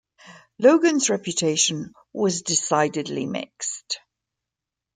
Logan's reputation was decidedly mixed.